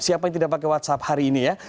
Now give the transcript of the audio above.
siapa yang tidak pakai whatsapp hari ini ya